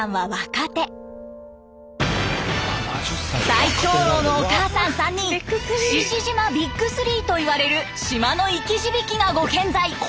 最長老のお母さん３人「志々島ＢＩＧ３」といわれる島の生き字引がご健在！